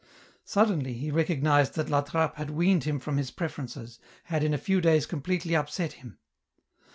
Suddenly he recognized that La Trappe had weaned him from his preferences, had in a few days completely upset him.